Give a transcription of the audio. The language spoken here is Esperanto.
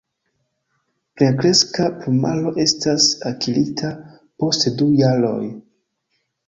Plenkreska plumaro estas akirita post du jaroj.